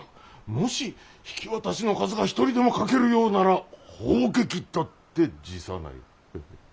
もし引き渡しの数が１人でも欠けるようなら砲撃だって辞さない。